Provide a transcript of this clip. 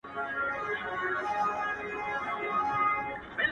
• بدلوي په یوه ورځ کي سل رنګونه سل قولونه -